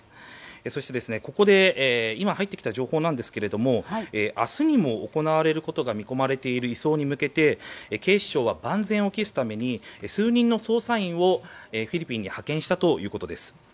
そして、今入ってきた情報ですが明日にも行われることが見込まれている移送に向けて警視庁は万全を期すために数人の捜査員をフィリピンに派遣したということです。